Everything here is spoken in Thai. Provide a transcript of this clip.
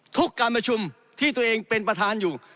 การประชุมที่ตัวเองเป็นประธานอยู่